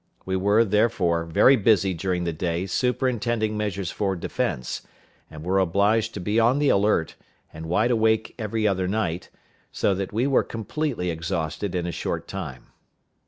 We were, therefore, very busy during the day superintending measures for defense, and were obliged to be on the alert, and wide awake every other night, so that we were completely exhausted in a short time.